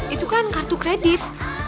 itu kan kartu kredit